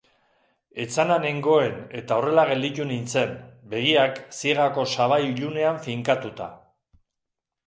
Etzana nengoen eta horrela gelditu nintzen, begiak ziegako sabai ilunean finkatuta.